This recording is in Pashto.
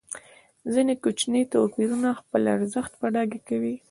ځینې کوچني توپیرونه خپل ارزښت په ډاګه کوي.